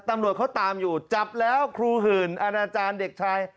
ตำรวจเขาตามอยู่จับแล้วครูหื่นอาณาจารย์เด็กชาย